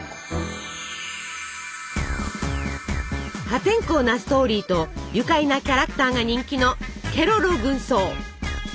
破天荒なストーリーと愉快なキャラクターが人気の「ケロロ軍曹」！